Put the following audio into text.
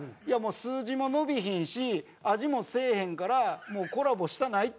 「数字も伸びへんし味もせえへんからもうコラボしたない」って。